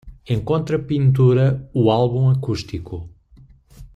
Encontre a pintura O álbum acústico